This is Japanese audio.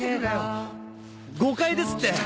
誤解ですって！